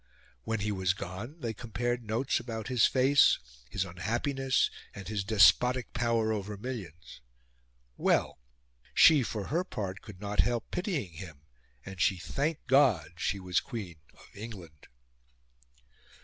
When he was gone, they compared notes about his face, his unhappiness, and his despotic power over millions. Well! She for her part could not help pitying him, and she thanked God she was Queen of England.